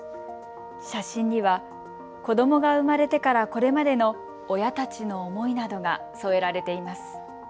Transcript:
写真には子どもが生まれてからこれまでの親たちの思いなどが添えられています。